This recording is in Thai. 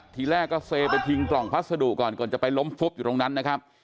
ทีแรกก็เซไปทิ้งกล่องพัสดุก่อนก่อนจะไปล้มฟุบอยู่ตรงนั้นนะครับ